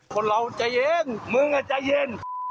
คนเราใจเย็นมึงใจเย็น